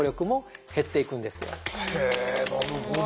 へえなるほど。